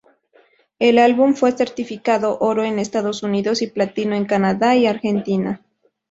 El álbum fue certificado oro en Estados Unidos y platino en Canadá y argentina.